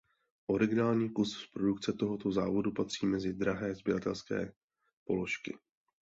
Originální kusy z produkce tohoto závodu patří mezi drahé sběratelské položky.